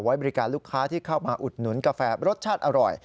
บริการลูกค้าที่เข้ามาอุดหนุนกาแฟรสชาติอร่อย